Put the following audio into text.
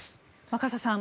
若狭さん